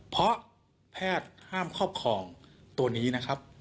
เพราะแพทย์ห้ามครอบครองตัวนี้นะครับ